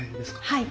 はい。